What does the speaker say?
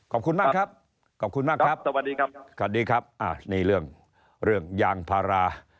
ขอบคุณมากครับขอบคุณมากครับสวัสดีครับสวัสดีครับนี่เรื่องเรื่องยางพารา